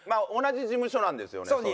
同じ事務所なんですよね